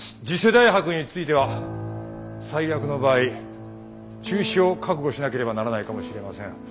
次世代博については最悪の場合中止を覚悟しなければならないかもしれません。